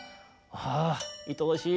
ああいとおしい。